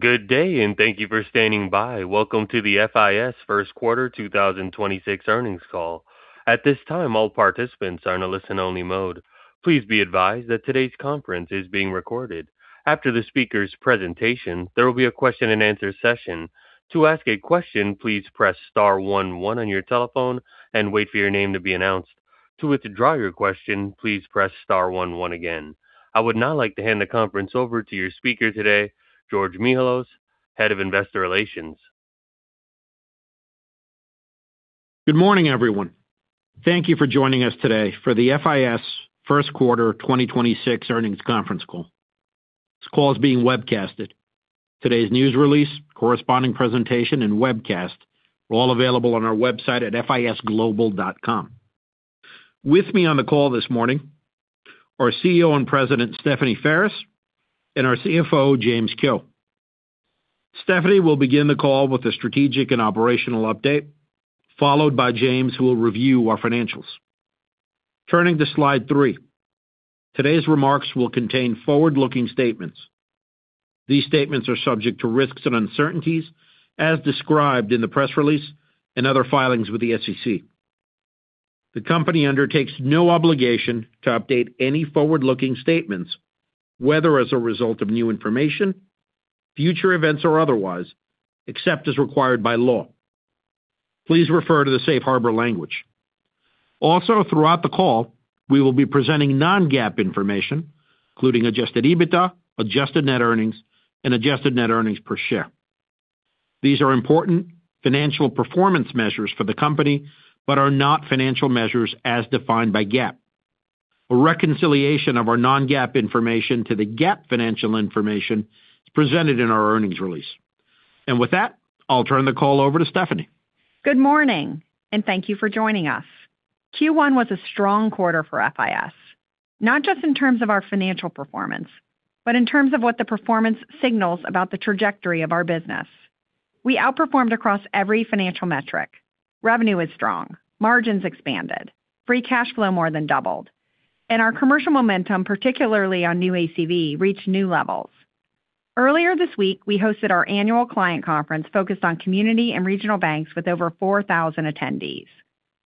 Good day, and thank you for standing by. Welcome to the FIS First Quarter 2026 Earnings Call. At this time, all participants are in a listen only mode. Please be advised that today's conference is being recorded. After the speaker's presentation, there will be a question and answer session. To ask a question, please press star one one on your telephone and wait for your name to be announced. To withdraw your question, please press star one one again. I would now like to hand the conference over to your speaker today, George Mihalos, Head of Investor Relations. Good morning, everyone. Thank you for joining us today for the FIS First Quarter 2026 Earnings Conference Call. This call is being webcasted. Today's news release, corresponding presentation, and webcast are all available on our website at fisglobal.com. With me on the call this morning, our CEO and President, Stephanie Ferris, and our CFO, James Kehoe. Stephanie will begin the call with a strategic and operational update, followed by James, who will review our financials. Turning to slide three. Today's remarks will contain forward-looking statements. These statements are subject to risks and uncertainties as described in the press release and other filings with the SEC. The company undertakes no obligation to update any forward-looking statements, whether as a result of new information, future events, or otherwise, except as required by law. Please refer to the safe harbor language. Also, throughout the call, we will be presenting non-GAAP information, including adjusted EBITDA, adjusted net earnings, and adjusted net earnings per share. These are important financial performance measures for the company but are not financial measures as defined by GAAP. A reconciliation of our non-GAAP information to the GAAP financial information is presented in our earnings release. With that, I'll turn the call over to Stephanie. Good morning. Thank you for joining us. Q1 was a strong quarter for FIS, not just in terms of our financial performance, but in terms of what the performance signals about the trajectory of our business. We outperformed across every financial metric. Revenue is strong. Margins expanded. Free cash flow more than doubled. Our commercial momentum, particularly on new ACV, reached new levels. Earlier this week, we hosted our annual client conference focused on community and regional banks with over 4,000 attendees.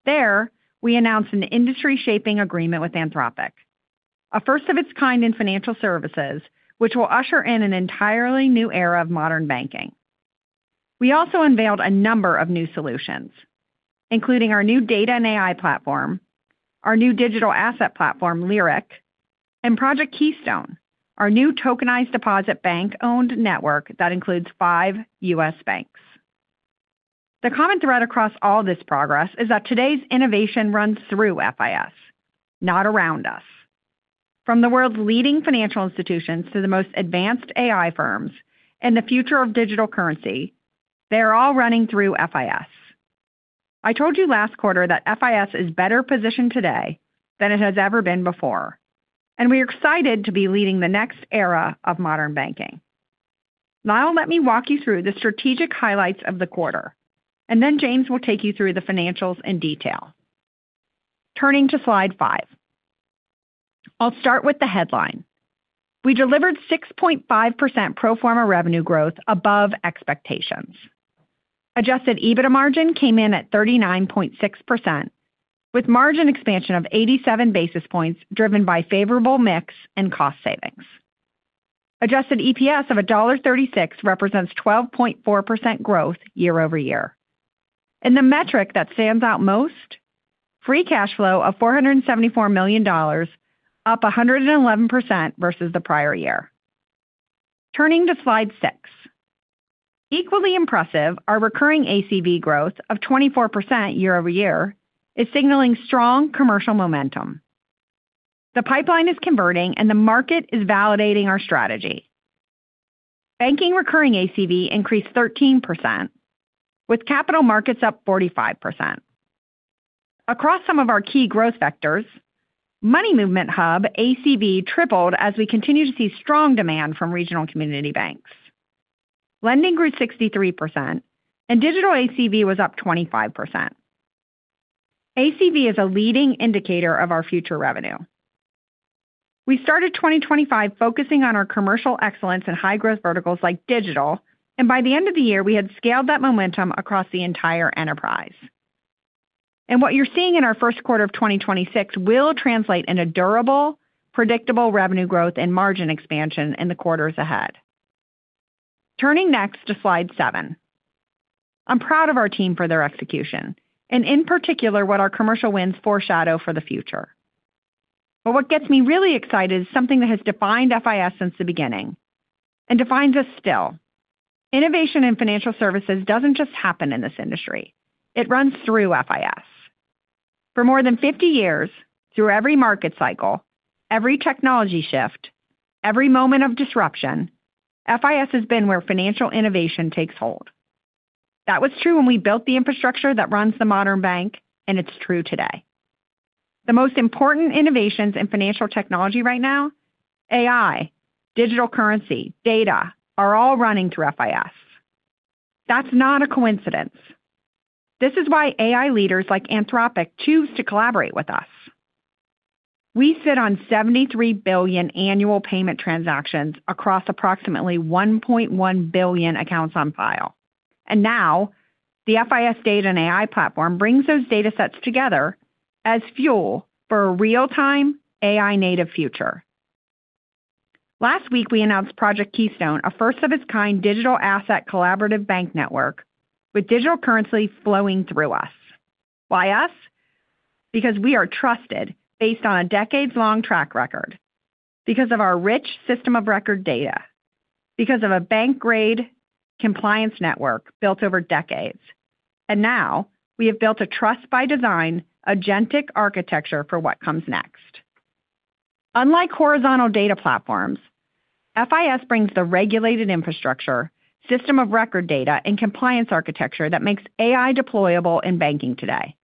There, we announced an industry-shaping agreement with Anthropic, a first of its kind in financial services, which will usher in an entirely new era of modern banking. We also unveiled a number of new solutions, including our new data and AI platform, our new digital asset platform, Lyriq, and Project Keystone, our new tokenized deposit bank-owned network that includes five U.S. banks. The common thread across all this progress is that today's innovation runs through FIS, not around us. From the world's leading financial institutions to the most advanced AI firms and the future of digital currency, they are all running through FIS. I told you last quarter that FIS is better positioned today than it has ever been before, and we are excited to be leading the next era of modern banking. Let me walk you through the strategic highlights of the quarter, and then James will take you through the financials in detail. Turning to slide five. I'll start with the headline. We delivered 6.5% pro forma revenue growth above expectations. Adjusted EBITDA margin came in at 39.6%, with margin expansion of 87 basis points driven by favorable mix and cost savings. Adjusted EPS of $1.36 represents 12.4% growth year-over-year. The metric that stands out most, free cash flow of $474 million, up 111% versus the prior year. Turning to slide six. Equally impressive, our recurring ACV growth of 24% year-over-year is signaling strong commercial momentum. The pipeline is converting, and the market is validating our strategy. Banking recurring ACV increased 13%, with Capital Markets up 45%. Across some of our key growth vectors, Money Movement Hub ACV tripled as we continue to see strong demand from regional community banks. Lending grew 63%, and digital ACV was up 25%. ACV is a leading indicator of our future revenue. We started 2025 focusing on our commercial excellence in high-growth verticals like digital, and by the end of the year, we had scaled that momentum across the entire enterprise. What you're seeing in our first quarter of 2026 will translate into durable, predictable revenue growth and margin expansion in the quarters ahead. Turning next to slide seven. I'm proud of our team for their execution and in particular what our commercial wins foreshadow for the future. What gets me really excited is something that has defined FIS since the beginning and defines us still. Innovation in financial services doesn't just happen in this industry. It runs through FIS. For more than 50 years, through every market cycle, every technology shift, every moment of disruption, FIS has been where financial innovation takes hold. That was true when we built the infrastructure that runs the modern bank, and it's true today. The most important innovations in financial technology right now, AI, digital currency, data, are all running through FIS. That's not a coincidence. This is why AI leaders like Anthropic choose to collaborate with us. We sit on 73 billion annual payment transactions across approximately 1.1 billion accounts on file. Now the FIS data and AI platform brings those datasets together as fuel for a real-time AI native future. Last week, we announced Project Keystone, a first-of-its-kind digital asset collaborative bank network with digital currency flowing through us. Why us? We are trusted based on a decades-long track record. Because of our rich system of record data. Because of a bank-grade compliance network built over decades. Now we have built a trust-by-design agentic architecture for what comes next. Unlike horizontal data platforms, FIS brings the regulated infrastructure, system of record data, and compliance architecture that makes AI deployable in banking today.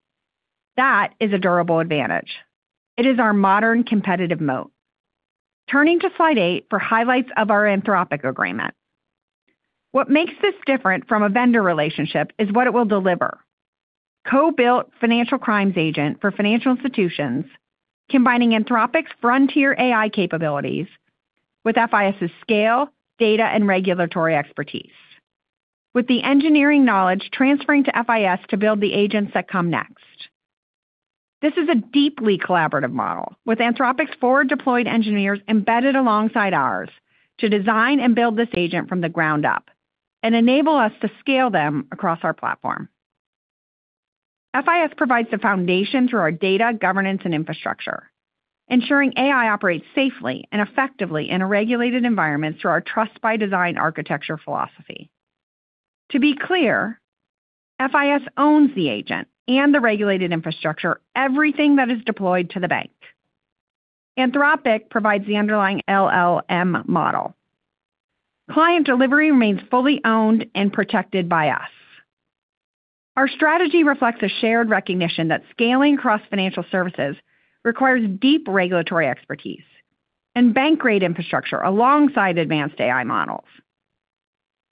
That is a durable advantage. It is our modern competitive moat. Turning to slide eight for highlights of our Anthropic agreement. What makes this different from a vendor relationship is what it will deliver. Co-built financial crimes agent for financial institutions, combining Anthropic's frontier AI capabilities with FIS's scale, data, and regulatory expertise. With the engineering knowledge transferring to FIS to build the agents that come next. This is a deeply collaborative model with Anthropic's forward-deployed engineers embedded alongside ours to design and build this agent from the ground up and enable us to scale them across our platform. FIS provides the foundation through our data governance and infrastructure, ensuring AI operates safely and effectively in a regulated environment through our trust-by-design architecture philosophy. To be clear, FIS owns the agent and the regulated infrastructure, everything that is deployed to the bank. Anthropic provides the underlying LLM model. Client delivery remains fully owned and protected by us. Our strategy reflects a shared recognition that scaling across financial services requires deep regulatory expertise and bank-grade infrastructure alongside advanced AI models.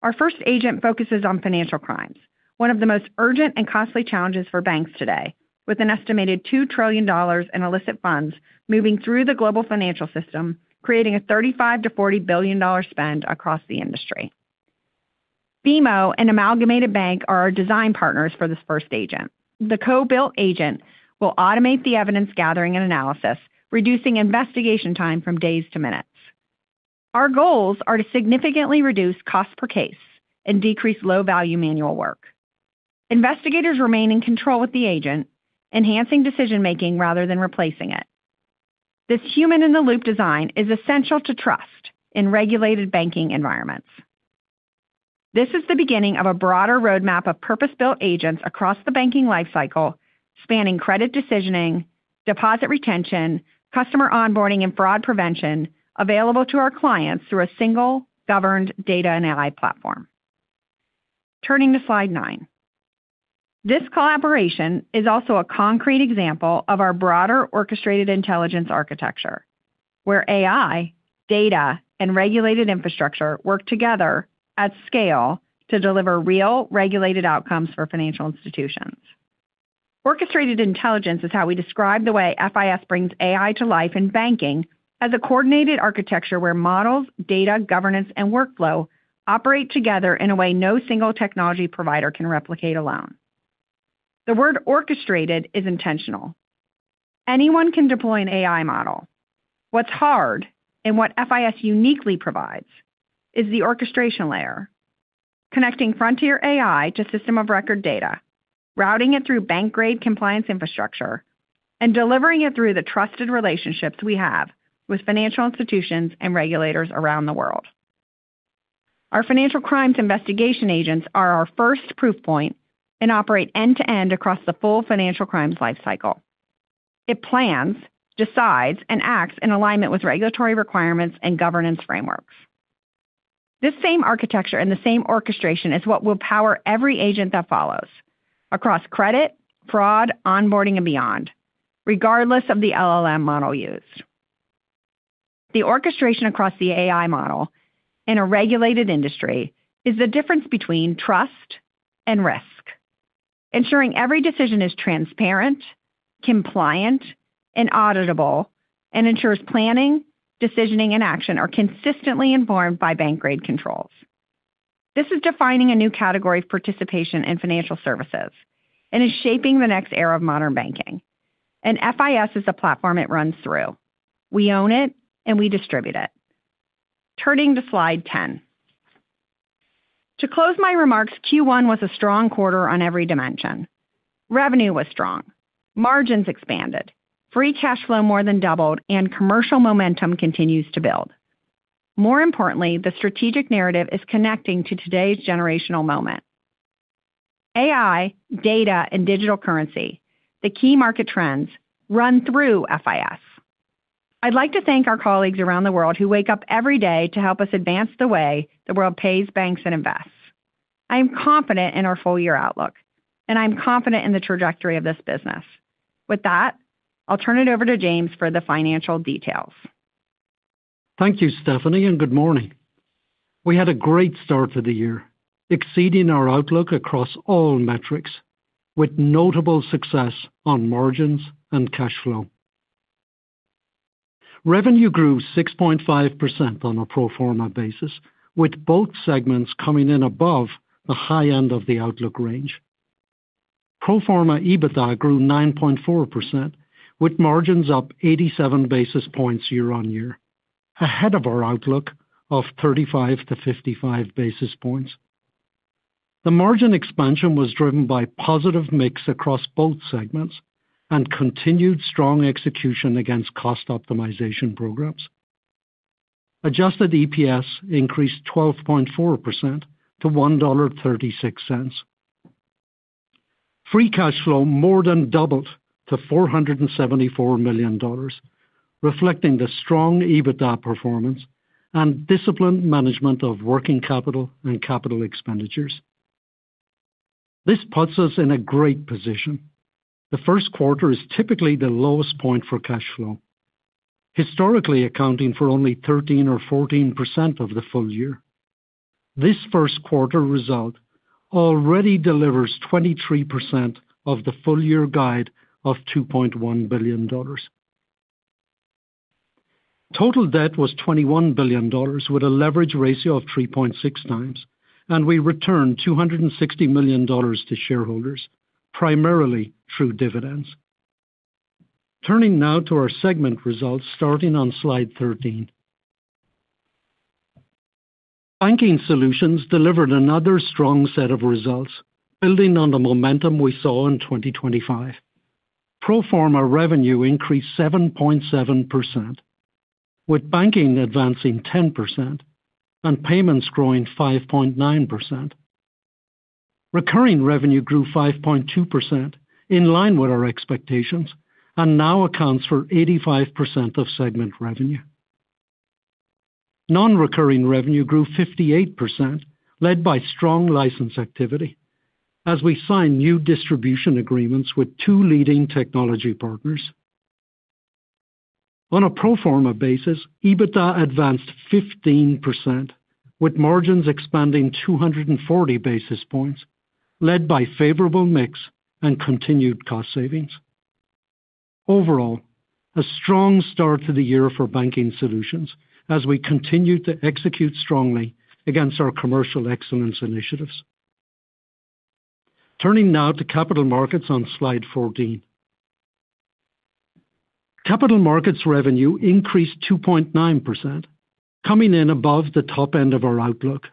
Our first agent focuses on financial crimes, one of the most urgent and costly challenges for banks today, with an estimated $2 trillion in illicit funds moving through the global financial system, creating a $35 billion-$40 billion spend across the industry. BMO and Amalgamated Bank are our design partners for this first agent. The co-built agent will automate the evidence gathering and analysis, reducing investigation time from days to minutes. Our goals are to significantly reduce cost per case and decrease low-value manual work. Investigators remain in control with the agent, enhancing decision-making rather than replacing it. This human-in-the-loop design is essential to trust in regulated banking environments. This is the beginning of a broader roadmap of purpose-built agents across the banking life cycle, spanning credit decisioning, deposit retention, customer onboarding, and fraud prevention available to our clients through a single governed data and AI platform. Turning to slide nine. This collaboration is also a concrete example of our broader orchestrated intelligence architecture, where AI, data, and regulated infrastructure work together at scale to deliver real regulated outcomes for financial institutions. Orchestrated intelligence is how we describe the way FIS brings AI to life in banking as a coordinated architecture where models, data, governance, and workflow operate together in a way no single technology provider can replicate alone. The word orchestrated is intentional. Anyone can deploy an AI model. What's hard and what FIS uniquely provides is the orchestration layer, connecting frontier AI to system-of-record data, routing it through bank-grade compliance infrastructure, and delivering it through the trusted relationships we have with financial institutions and regulators around the world. Our financial crimes investigation agents are our first proof point and operate end-to-end across the full financial crimes life cycle. It plans, decides, and acts in alignment with regulatory requirements and governance frameworks. This same architecture and the same orchestration is what will power every agent that follows across credit, fraud, onboarding, and beyond, regardless of the LLM model used. The orchestration across the AI model in a regulated industry is the difference between trust and risk, ensuring every decision is transparent, compliant, and auditable, and ensures planning, decisioning, and action are consistently informed by bank-grade controls. This is defining a new category of participation in financial services and is shaping the next era of modern banking. FIS is the platform it runs through. We own it, and we distribute it. Turning to slide 10. To close my remarks, Q1 was a strong quarter on every dimension. Revenue was strong, margins expanded, free cash flow more than doubled, and commercial momentum continues to build. More importantly, the strategic narrative is connecting to today's generational moment. AI, data, and digital currency, the key market trends run through FIS. I'd like to thank our colleagues around the world who wake up every day to help us advance the way the world pays banks and invests. I am confident in our full-year outlook, and I'm confident in the trajectory of this business. With that, I'll turn it over to James for the financial details. Thank you, Stephanie, and good morning. We had a great start to the year, exceeding our outlook across all metrics with notable success on margins and cash flow. Revenue grew 6.5% on a pro forma basis, with both segments coming in above the high end of the outlook range. Pro forma EBITDA grew 9.4%, with margins up 87 basis points year-on-year, ahead of our outlook of 35 basis points-55 basis points. The margin expansion was driven by positive mix across both segments and continued strong execution against cost optimization programs. Adjusted EPS increased 12.4% to $1.36. Free cash flow more than doubled to $474 million, reflecting the strong EBITDA performance and disciplined management of working capital and capital expenditures. This puts us in a great position. The first quarter is typically the lowest point for cash flow. Historically accounting for only 13% or 14% of the full year. This first quarter result already delivers 23% of the full-year guide of $2.1 billion. Total debt was $21 billion with a leverage ratio of 3.6x, and we returned $260 million to shareholders, primarily through dividends. Turning now to our segment results starting on slide 13. Banking Solutions delivered another strong set of results, building on the momentum we saw in 2025. Pro forma revenue increased 7.7%, with banking advancing 10% and payments growing 5.9%. Recurring revenue grew 5.2%, in line with our expectations, and now accounts for 85% of segment revenue. Non-recurring revenue grew 58%, led by strong license activity as we sign new distribution agreements with two leading technology partners. On a pro forma basis, EBITDA advanced 15%, with margins expanding 240 basis points, led by favorable mix and continued cost savings. Overall, a strong start to the year for Banking Solutions as we continue to execute strongly against our commercial excellence initiatives. Turning now to Capital Markets on slide 14. Capital Markets revenue increased 2.9%, coming in above the top end of our outlook,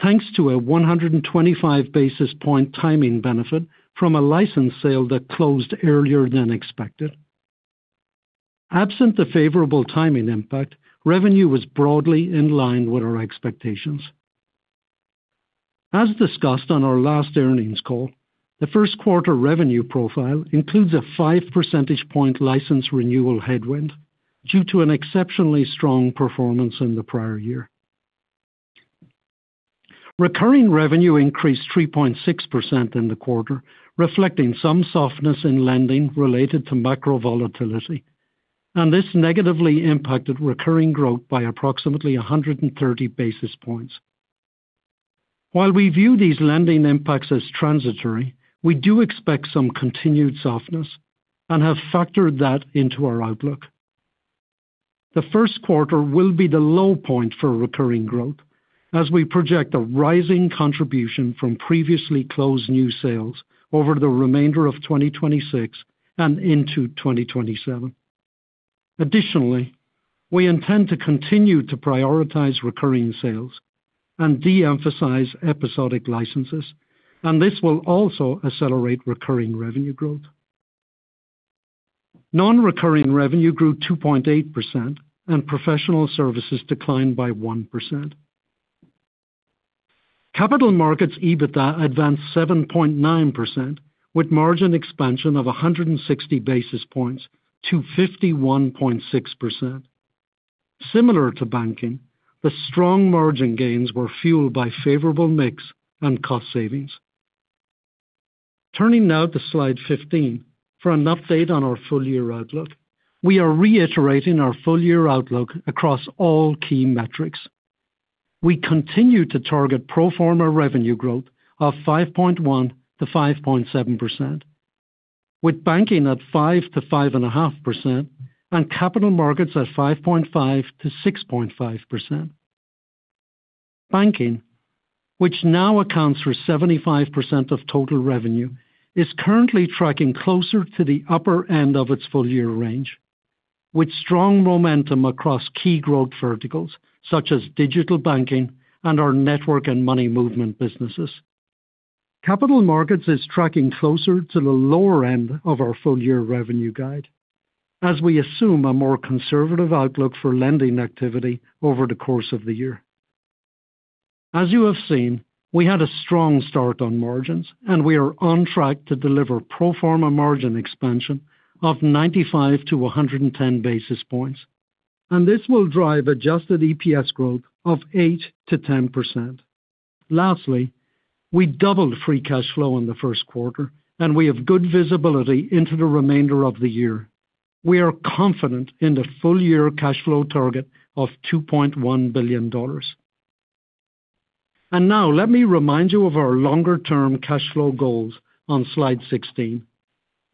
thanks to a 125 basis point timing benefit from a license sale that closed earlier than expected. Absent the favorable timing impact, revenue was broadly in line with our expectations. As discussed on our last earnings call, the first quarter revenue profile includes a 5 percentage point license renewal headwind due to an exceptionally strong performance in the prior year. Recurring revenue increased 3.6% in the quarter, reflecting some softness in lending related to macro volatility, and this negatively impacted recurring growth by approximately 130 basis points. While we view these lending impacts as transitory, we do expect some continued softness and have factored that into our outlook. The first quarter will be the low point for recurring growth as we project a rising contribution from previously closed new sales over the remainder of 2026 and into 2027. Additionally, we intend to continue to prioritize recurring sales and de-emphasize episodic licenses, and this will also accelerate recurring revenue growth. Non-recurring revenue grew 2.8%, and professional services declined by 1%. Capital Markets EBITDA advanced 7.9% with margin expansion of 160 basis points to 51.6%. Similar to Banking, the strong margin gains were fueled by favorable mix and cost savings. Turning now to slide 15 for an update on our full-year outlook. We are reiterating our full-year outlook across all key metrics. We continue to target pro forma revenue growth of 5.1%-5.7%, with Banking at 5%-5.5% and Capital Markets at 5.5%-6.5%. Banking, which now accounts for 75% of total revenue, is currently tracking closer to the upper end of its full-year range, with strong momentum across key growth verticals such as digital banking and our network and Money Movement businesses. Capital Markets is tracking closer to the lower end of our full-year revenue guide as we assume a more conservative outlook for lending activity over the course of the year. As you have seen, we had a strong start on margins, and we are on track to deliver pro forma margin expansion of 95 basis points-110 basis points, and this will drive adjusted EPS growth of 8%-10%. Lastly, we doubled free cash flow in the first quarter, and we have good visibility into the remainder of the year. We are confident in the full year cash flow target of $2.1 billion. Now let me remind you of our longer term cash flow goals on slide 16.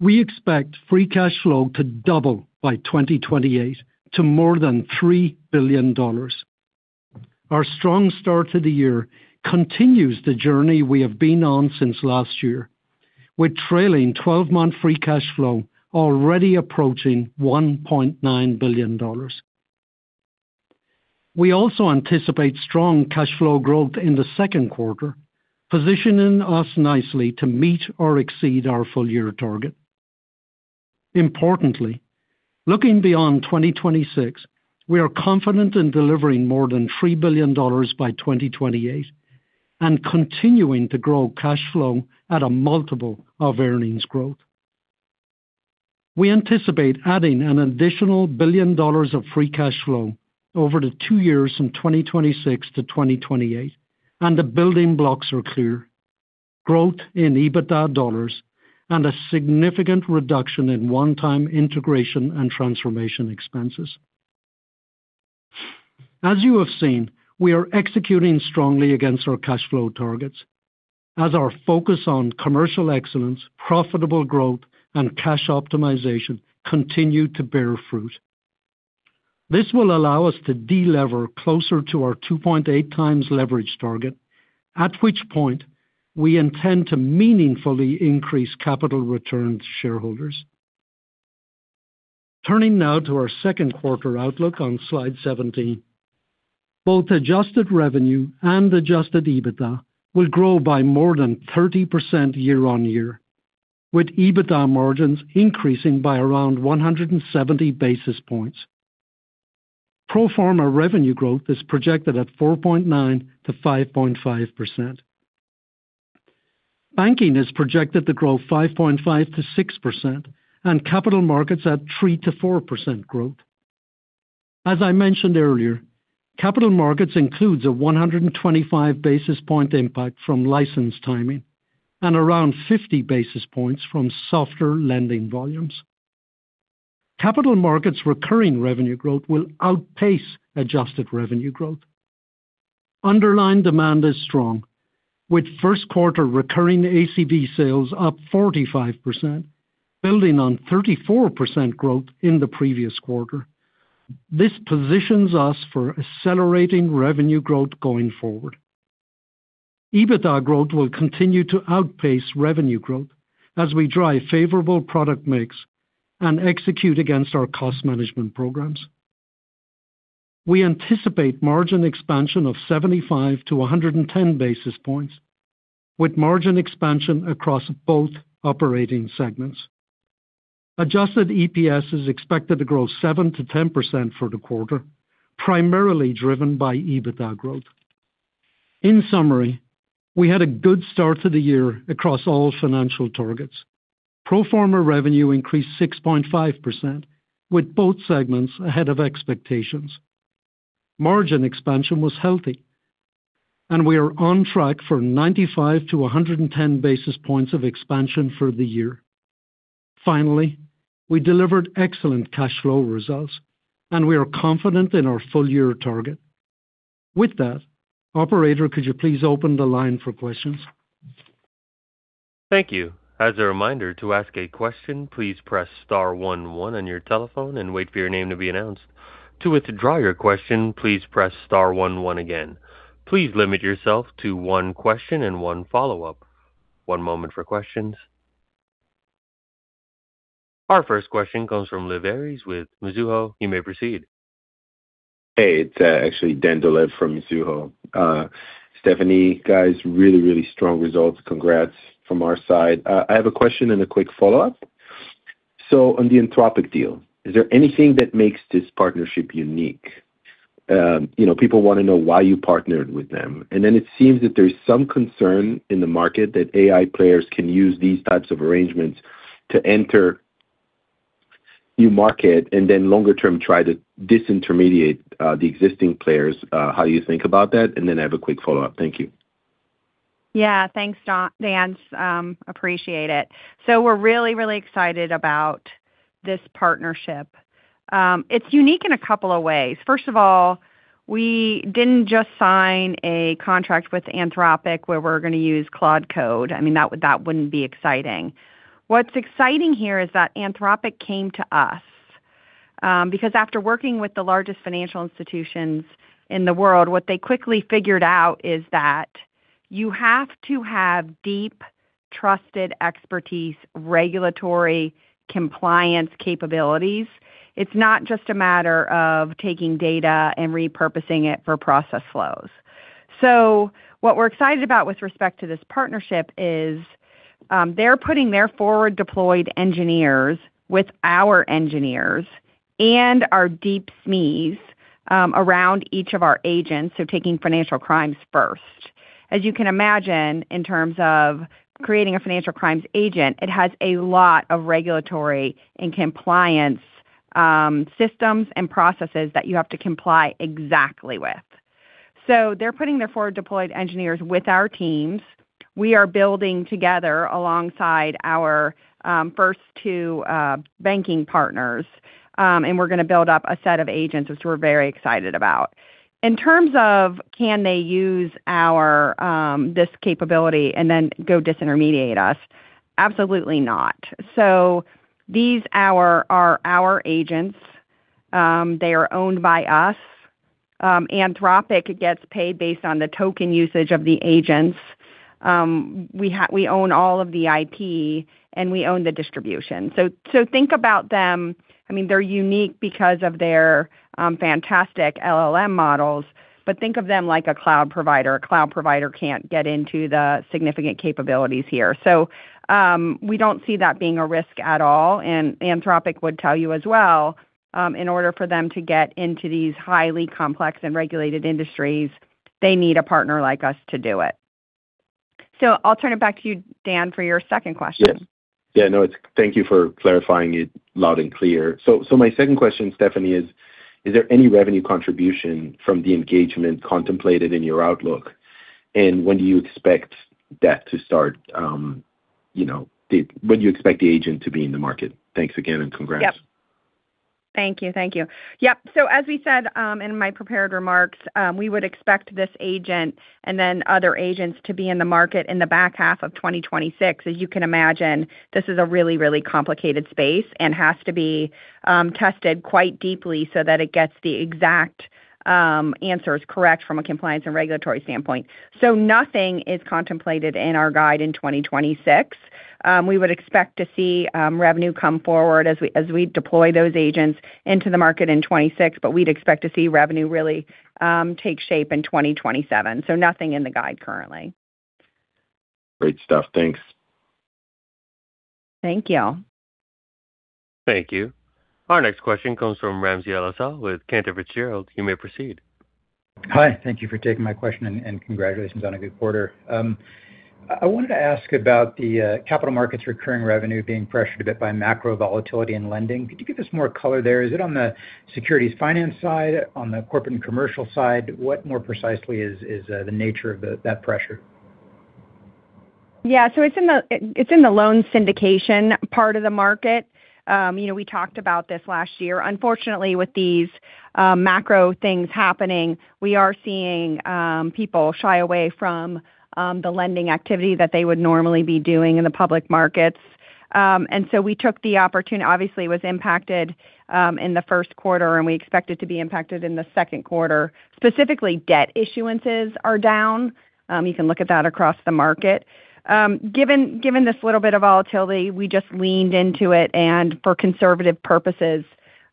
We expect free cash flow to double by 2028 to more than $3 billion. Our strong start to the year continues the journey we have been on since last year, with trailing 12-month free cash flow already approaching $1.9 billion. We also anticipate strong cash flow growth in the second quarter, positioning us nicely to meet or exceed our full year target. Importantly, looking beyond 2026, we are confident in delivering more than $3 billion by 2028 and continuing to grow cash flow at a multiple of earnings growth. We anticipate adding an additional $1 billion of free cash flow over the two years from 2026 to 2028, the building blocks are clear. Growth in one-time EBITDA dollars and a significant reduction in one-time integration and transformation expenses. As you have seen, we are executing strongly against our cash flow targets as our focus on commercial excellence, profitable growth, and cash optimization continue to bear fruit. This will allow us to de-lever closer to our 2.8x leverage target, at which point we intend to meaningfully increase capital return to shareholders. Turning now to our second quarter outlook on slide 17. Both adjusted revenue and adjusted EBITDA will grow by more than 30% year-on-year, with EBITDA margins increasing by around 170 basis points. Pro forma revenue growth is projected at 4.9%-5.5%. Banking is projected to grow 5.5%-6% and Capital Markets at 3%-4% growth. As I mentioned earlier, Capital Markets includes a 125 basis point impact from license timing and around 50 basis points from softer lending volumes. Capital Markets recurring revenue growth will outpace adjusted revenue growth. Underlying demand is strong, with first quarter recurring ACV sales up 45%, building on 34% growth in the previous quarter. This positions us for accelerating revenue growth going forward. EBITDA growth will continue to outpace revenue growth as we drive favorable product mix and execute against our cost management programs. We anticipate margin expansion of 75 basis points-110 basis points, with margin expansion across both operating segments. Adjusted EPS is expected to grow 7%-10% for the quarter, primarily driven by EBITDA growth. In summary, we had a good start to the year across all financial targets. Pro forma revenue increased 6.5%, with both segments ahead of expectations. Margin expansion was healthy, and we are on track for 95 basis points-110 basis points of expansion for the year. Finally, we delivered excellent cash flow results, and we are confident in our full year target. With that, operator, could you please open the line for questions? Thank you. As a reminder to ask a question, please press star one one on your telephone and wait for your name to be announced. To withdraw your question, please press star one one again. Please limit yourself to one question and one follow-up. One moment for questions. Our first question comes from Livaris with Mizuho. You may proceed. Hey, it's actually Dan Dolev from Mizuho. Stephanie, guys, really, really strong results. Congrats from our side. I have a question and a quick follow-up. On the Anthropic deal, is there anything that makes this partnership unique? You know, people want to know why you partnered with them. It seems that there's some concern in the market that AI players can use these types of arrangements to enter your market and then longer term, try to disintermediate the existing players. How do you think about that? I have a quick follow-up. Thank you. Thanks, Dan. Appreciate it. We're really excited about this partnership. It's unique in a couple of ways. First of all, we didn't just sign a contract with Anthropic where we're gonna use Claude Code. I mean, that wouldn't be exciting. What's exciting here is that Anthropic came to us because after working with the largest financial institutions in the world, what they quickly figured out is that you have to have deep, trusted expertise, regulatory compliance capabilities. It's not just a matter of taking data and repurposing it for process flows. What we're excited about with respect to this partnership is they're putting their forward deployed engineers with our engineers and our deep SMEs around each of our agents, taking financial crimes first. As you can imagine, in terms of creating a financial crimes agent, it has a lot of regulatory and compliance systems and processes that you have to comply exactly with. They're putting their forward deployed engineers with our teams. We are building together alongside our first two banking partners. We're going to build up a set of agents which we're very excited about. In terms of can they use our this capability and then go disintermediate us, absolutely not. These are our agents. They are owned by us. Anthropic gets paid based on the token usage of the agents. We own all of the IP, and we own the distribution. Think about them. I mean, they're unique because of their fantastic LLM models. Think of them like a cloud provider. A cloud provider can't get into the significant capabilities here. We don't see that being a risk at all. Anthropic would tell you as well, in order for them to get into these highly complex and regulated industries, they need a partner like us to do it. I'll turn it back to you, Dan, for your second question. Yeah. Yeah, no, thank you for clarifying it loud and clear. My second question, Stephanie, is there any revenue contribution from the engagement contemplated in your outlook? When do you expect that to start? You know, when do you expect the agent to be in the market? Thanks again, congrats. Thank you. Thank you. Yep. As we said, in my prepared remarks, we would expect this agent and then other agents to be in the market in the back half of 2026. As you can imagine, this is a really, really complicated space and has to be tested quite deeply so that it gets the exact answers correct from a compliance and regulatory standpoint. Nothing is contemplated in our guide in 2026. We would expect to see revenue come forward as we, as we deploy those agents into the market in 2026, but we'd expect to see revenue really take shape in 2027. Nothing in the guide currently. Great stuff. Thanks. Thank you. Thank you. Our next question comes from Ramsey El-Assal with Cantor Fitzgerald. You may proceed. Hi. Thank you for taking my question, and congratulations on a good quarter. I wanted to ask about the Capital Markets recurring revenue being pressured a bit by macro volatility and lending. Could you give us more color there? Is it on the securities finance side? On the corporate and commercial side? What more precisely is the nature of that pressure? Yeah. It's in the loan syndication part of the market. You know, we talked about this last year. Unfortunately, with these macro things happening, we are seeing people shy away from the lending activity that they would normally be doing in the public markets. We took the opportunity. Obviously, it was impacted in the first quarter, and we expect it to be impacted in the second quarter. Specifically, debt issuances are down. You can look at that across the market. Given this little bit of volatility, we just leaned into it and for conservative purposes,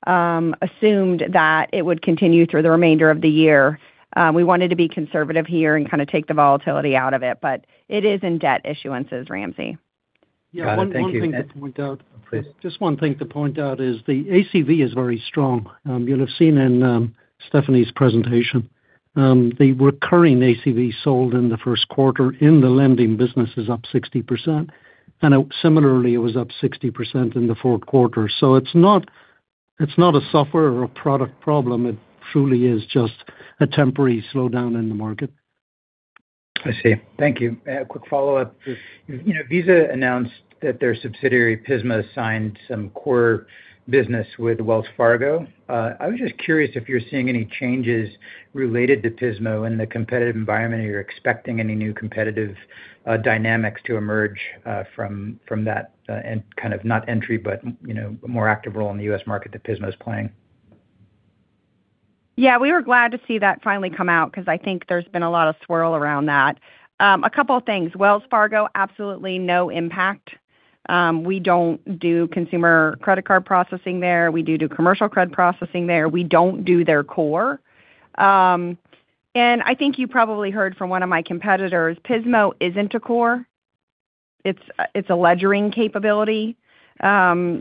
assumed that it would continue through the remainder of the year. We wanted to be conservative here and kinda take the volatility out of it, but it is in debt issuances, Ramsey. Got it. Thank you. Yeah, one thing to point out. Please. Just one thing to point out is the ACV is very strong. You'll have seen in Stephanie's presentation, the recurring ACV sold in the first quarter in the lending business is up 60%. Similarly, it was up 60% in the fourth quarter. It's not, it's not a software or a product problem. It truly is just a temporary slowdown in the market. I see. Thank you. A quick follow-up. Sure. You know, Visa announced that their subsidiary Pismo signed some core business with Wells Fargo. I was just curious if you're seeing any changes related to Pismo in the competitive environment or you're expecting any new competitive dynamics to emerge from that and kind of not entry but, you know, more active role in the U.S. market that Pismo is playing. We were glad to see that finally come out because I think there's been a lot of swirl around that. A couple of things. Wells Fargo, absolutely no impact. We don't do consumer credit card processing there. We do commercial credit processing there. We don't do their core. I think you probably heard from one of my competitors, Pismo isn't a core. It's a ledgering capability. As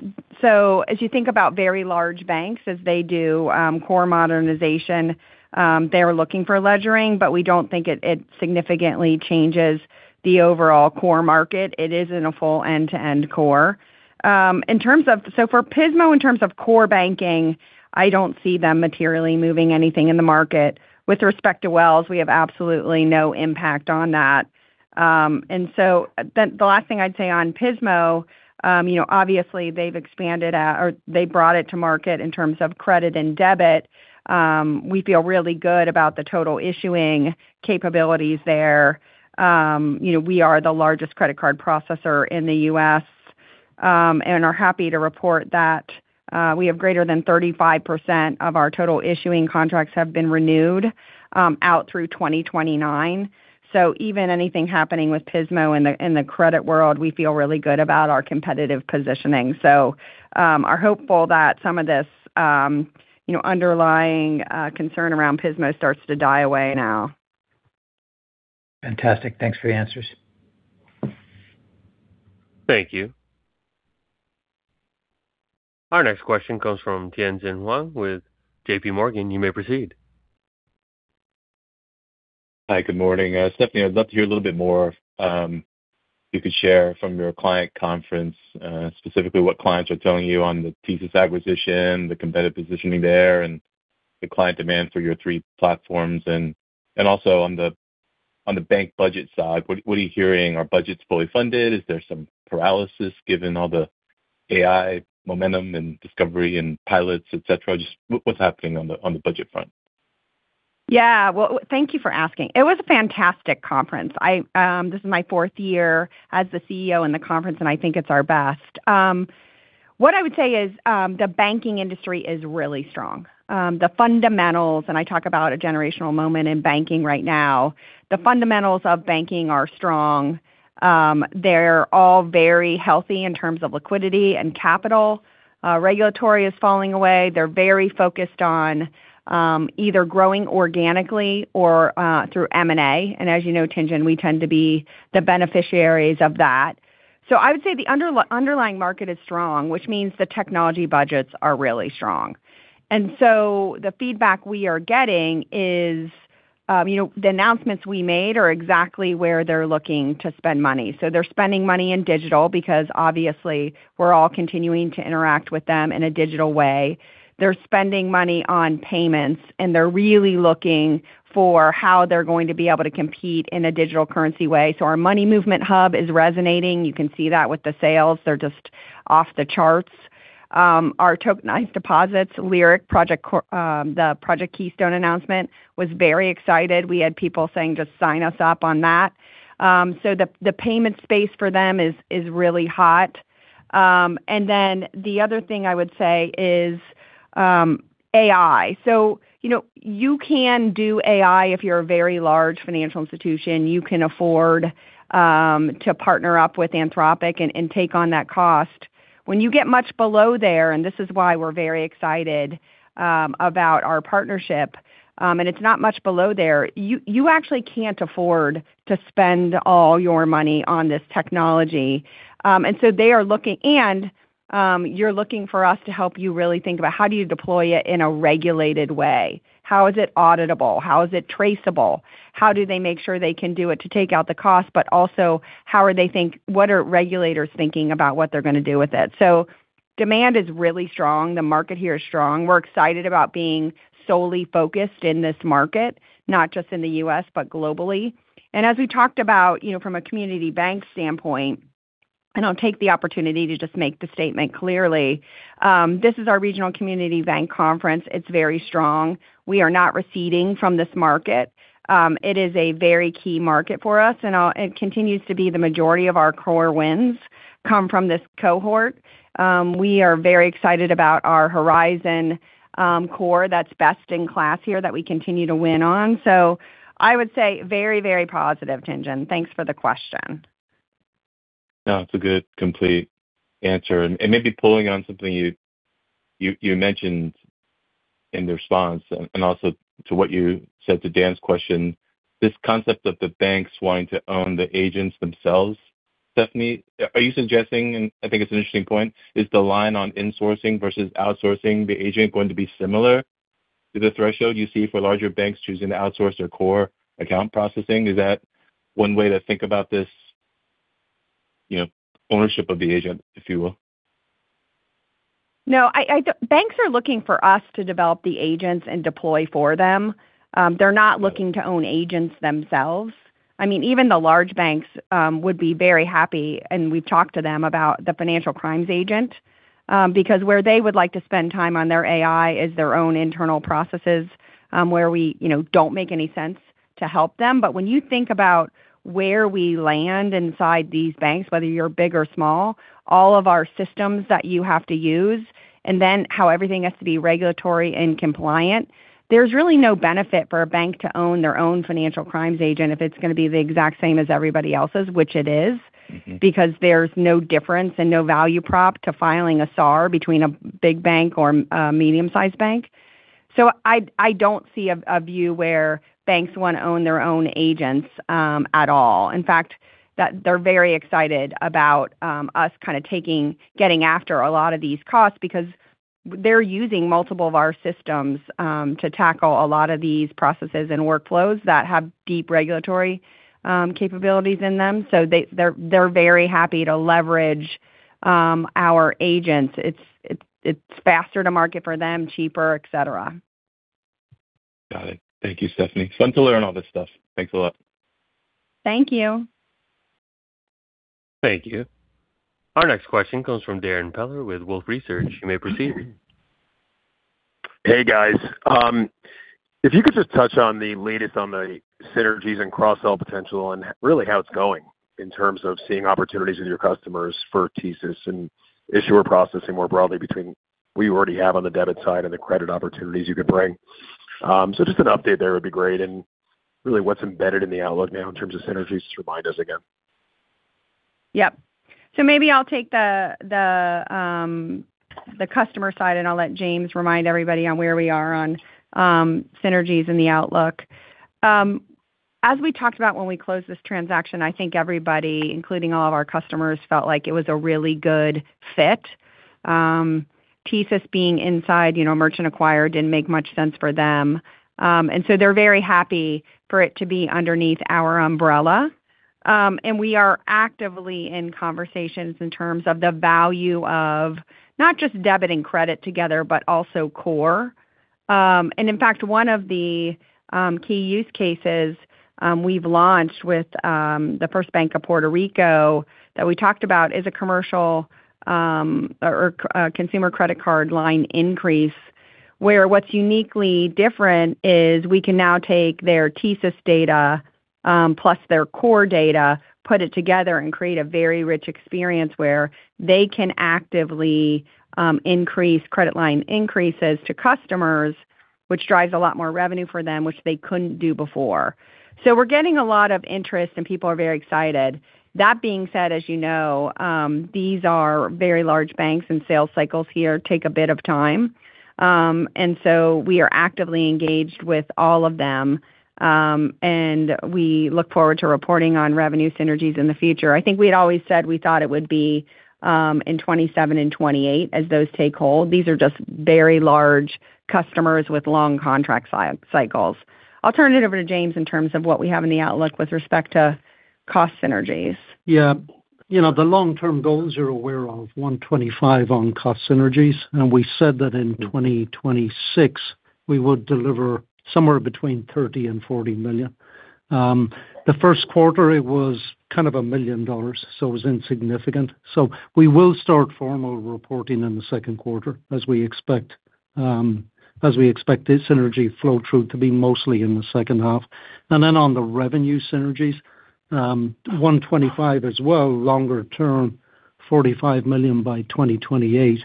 you think about very large banks as they do core modernization, they're looking for ledgering, but we don't think it significantly changes the overall core market. It isn't a full end-to-end core. For Pismo, in terms of core banking, I don't see them materially moving anything in the market. With respect to Wells, we have absolutely no impact on that. The last thing I'd say on Pismo, you know, obviously they've expanded or they brought it to market in terms of credit and debit. We feel really good about the total issuing capabilities there. You know, we are the largest credit card processor in the U.S., and are happy to report that we have greater than 35% of our total issuing contracts have been renewed out through 2029. Even anything happening with Pismo in the credit world, we feel really good about our competitive positioning. Are hopeful that some of this, you know, underlying concern around Pismo starts to die away now. Fantastic. Thanks for the answers. Thank you. Our next question comes from Tien-Tsin Huang with J.P. Morgan. You may proceed. Hi, good morning. Stephanie, I'd love to hear a little bit more, you could share from your client conference, specifically what clients are telling you on the TSYS acquisition, the competitive positioning there, and the client demand for your three platforms. Also on the bank budget side, what are you hearing? Are budgets fully funded? Is there some paralysis given all the AI momentum and discovery and pilots, et cetera? Just what's happening on the budget front? Well, thank you for asking. It was a fantastic conference. This is my fourth year as the CEO in the conference, and I think it's our best. What I would say is, the banking industry is really strong. The fundamentals, I talk about a generational moment in banking right now. The fundamentals of banking are strong. They're all very healthy in terms of liquidity and capital. Regulatory is falling away. They're very focused on either growing organically or through M&A. As you know, Tien-Tsin, we tend to be the beneficiaries of that. I would say the underlying market is strong, which means the technology budgets are really strong. The feedback we are getting is, you know, the announcements we made are exactly where they're looking to spend money. They're spending money in digital because obviously we're all continuing to interact with them in a digital way. They're spending money on payments, and they're really looking for how they're going to be able to compete in a digital currency way. Our Money Movement Hub is resonating. You can see that with the sales. They're just off the charts. Our tokenized deposits, Lyriq, the Project Keystone announcement was very excited. We had people saying, "Just sign us up on that." The payment space for them is really hot. The other thing I would say is AI. You know, you can do AI if you're a very large financial institution. You can afford to partner up with Anthropic and take on that cost. When you get much below there, and this is why we're very excited, about our partnership, and it's not much below there, you actually can't afford to spend all your money on this technology. You're looking for us to help you really think about how do you deploy it in a regulated way. How is it auditable? How is it traceable? How do they make sure they can do it to take out the cost, but also what are regulators thinking about what they're gonna do with it? Demand is really strong. The market here is strong. We're excited about being solely focused in this market, not just in the U.S., but globally. As we talked about, you know, from a community bank standpoint, and I'll take the opportunity to just make the statement clearly, this is our regional community bank conference. It's very strong. We are not receding from this market. It is a very key market for us, it continues to be the majority of our core wins come from this cohort. We are very excited about our HORIZON core that's best in class here that we continue to win on. I would say very, very positive, Tien-Tsin. Thanks for the question. No, it's a good complete answer. Maybe pulling on something you mentioned in the response and also to what you said to Dan's question, this concept of the banks wanting to own the agents themselves. Stephanie, are you suggesting, and I think it's an interesting point, is the line on insourcing versus outsourcing the agent going to be similar to the threshold you see for larger banks choosing to outsource their core account processing? Is that one way to think about this, you know, ownership of the agent, if you will? No. I Banks are looking for us to develop the agents and deploy for them. They're not looking to own agents themselves. I mean, even the large banks would be very happy, and we've talked to them about the financial crimes agent, because where they would like to spend time on their AI is their own internal processes, where we, you know, don't make any sense to help them. When you think about where we land inside these banks, whether you're big or small, all of our systems that you have to use, and then how everything has to be regulatory and compliant, there's really no benefit for a bank to own their own financial crimes agent if it's gonna be the exact same as everybody else's, which it is. There's no difference and no value prop to filing a SAR between a big bank or a medium-sized bank. I don't see a view where banks wanna own their own agents at all. In fact, that they're very excited about us kinda getting after a lot of these costs because they're using multiple of our systems to tackle a lot of these processes and workflows that have deep regulatory capabilities in them. They're very happy to leverage our agents. It's faster to market for them, cheaper, et cetera. Got it. Thank you, Stephanie. Fun to learn all this stuff. Thanks a lot. Thank you. Thank you. Our next question comes from Darrin Peller with Wolfe Research. You may proceed. Hey, guys. If you could just touch on the latest on the synergies and cross-sell potential and really how it's going in terms of seeing opportunities with your customers for TSYS and issuer processing more broadly between what you already have on the debit side and the credit opportunities you can bring. So just an update there would be great. Really what's embedded in the outlook now in terms of synergies, just remind us again. Yep. Maybe I'll take the customer side, and I'll let James remind everybody on where we are on synergies and the outlook. As we talked about when we closed this transaction, I think everybody, including all of our customers, felt like it was a really good fit, TSYS being inside, you know, merchant acquired didn't make much sense for them. They're very happy for it to be underneath our umbrella. We are actively in conversations in terms of the value of not just debit and credit together, but also core. In fact, one of the key use cases we've launched with the FirstBank of Puerto Rico that we talked about is a commercial or consumer credit card line increase. Where what's uniquely different is we can now take their TSYS data, plus their core data, put it together, and create a very rich experience where they can actively increase credit line increases to customers, which drives a lot more revenue for them, which they couldn't do before. We're getting a lot of interest, and people are very excited. That being said, as you know, these are very large banks and sales cycles here take a bit of time. We are actively engaged with all of them, and we look forward to reporting on revenue synergies in the future. I think we'd always said we thought it would be in 2027 and 2028 as those take hold. These are just very large customers with long contract cycles. I'll turn it over to James in terms of what we have in the outlook with respect to cost synergies. Yeah. You know, the long-term goals you're aware of, $125 million on cost synergies. We said that in 2026, we would deliver somewhere between $30 million-$40 million. The first quarter, it was kind of $1 million, so it was insignificant. We will start formal reporting in the second quarter as we expect the synergy flow-through to be mostly in the second half. On the revenue synergies, $125 million as well, longer term, $45 million by 2028.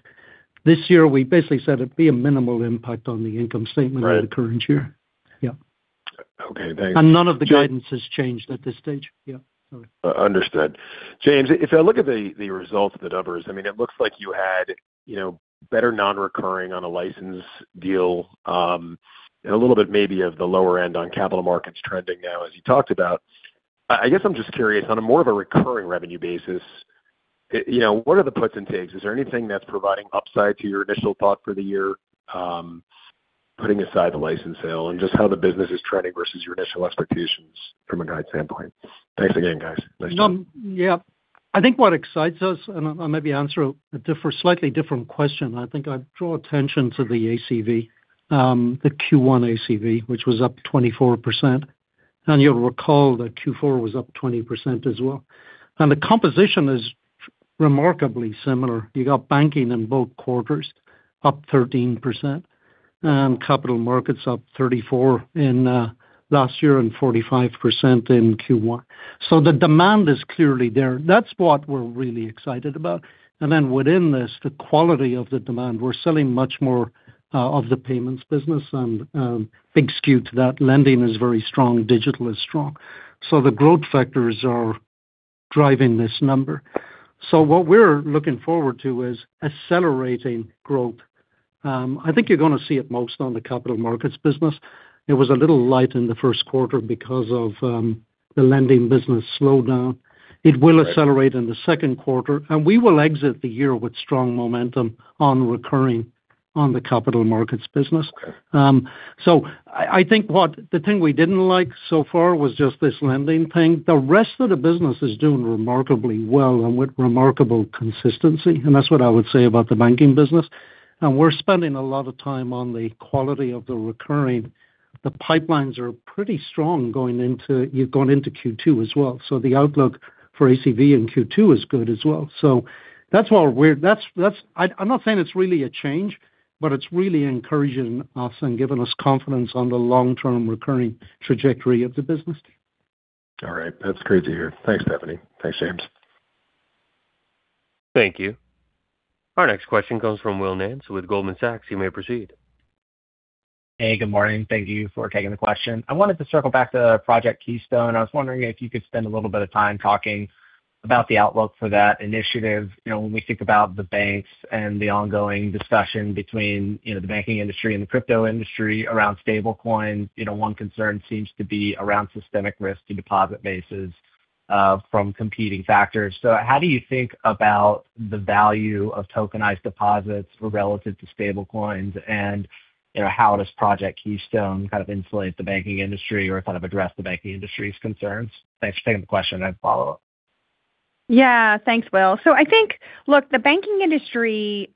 This year, we basically said it'd be a minimal impact on the income statement. Right. For the current year. Yeah. Okay, thanks. None of the guidance has changed at this stage. Yeah. Sorry. Understood. James, if I look at the results of the numbers, I mean, it looks like you had, you know, better non-recurring on a license deal, a little bit maybe of the lower end on Capital Markets trending now, as you talked about. I guess I'm just curious, on a more of a recurring revenue basis, you know, what are the puts and takes? Is there anything that's providing upside to your initial thought for the year, putting aside the license sale and just how the business is trending versus your initial expectations from a guide standpoint? Thanks again, guys. Nice to talk. I think what excites us, and I'll maybe answer a slightly different question. I think I'd draw attention to the ACV, the Q1 ACV, which was up 24%. You'll recall that Q4 was up 20% as well. The composition is remarkably similar. You got banking in both quarters up 13%, and Capital Markets up 34% in last year and 45% in Q1. The demand is clearly there. That's what we're really excited about. Within this, the quality of the demand. We're selling much more of the payments business and big skew to that. Lending is very strong. Digital is strong. The growth factors are driving this number. What we're looking forward to is accelerating growth. I think you're gonna see it most on the Capital Markets business. It was a little light in the first quarter because of the lending business slowdown. Right. It will accelerate in the second quarter. We will exit the year with strong momentum on recurring on the Capital Markets business. Okay. I think the thing we didn't like so far was just this lending thing. The rest of the business is doing remarkably well and with remarkable consistency, and that's what I would say about the banking business. We're spending a lot of time on the quality of the recurring. The pipelines are pretty strong you've gone into Q2 as well. The outlook for ACV in Q2 is good as well. I'm not saying it's really a change, but it's really encouraging us and giving us confidence on the long-term recurring trajectory of the business. All right. That's great to hear. Thanks, Stephanie. Thanks, James. Thank you. Our next question comes from Will Nance with Goldman Sachs. You may proceed. Hey, good morning. Thank you for taking the question. I wanted to circle back to Project Keystone. I was wondering if you could spend a little bit of time talking about the outlook for that initiative. You know, when we think about the banks and the ongoing discussion between, you know, the banking industry and the crypto industry around stablecoin, you know, one concern seems to be around systemic risk to deposit bases from competing factors. How do you think about the value of tokenized deposits relative to stablecoins and, you know, how does Project Keystone kind of insulate the banking industry or kind of address the banking industry's concerns? Thanks for taking the question. I have follow-up. Thanks, Will. I think, look, the banking industry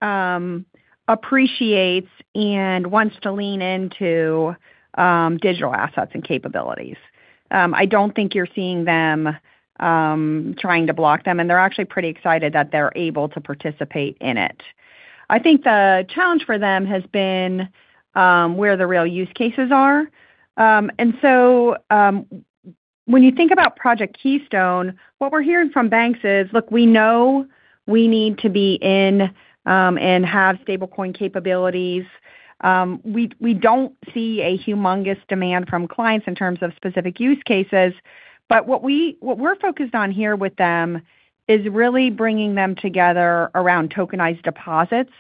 appreciates and wants to lean into digital assets and capabilities. I don't think you're seeing them trying to block them, and they're actually pretty excited that they're able to participate in it. I think the challenge for them has been where the real use cases are. When you think about Project Keystone, what we're hearing from banks is, "Look, we know we need to be in and have stablecoin capabilities. We don't see a humongous demand from clients in terms of specific use cases." What we're focused on here with them is really bringing them together around tokenized deposits